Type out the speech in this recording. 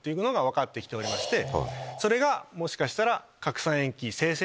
それがもしかしたら。